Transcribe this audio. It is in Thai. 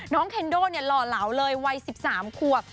น้องเคนโด่หล่อเหลาเลยวัย๑๓ขวบ